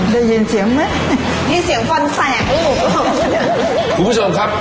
ได้ยินเสียงมั้ยนี่เสียงฟันแสงคุณผู้ชมครับ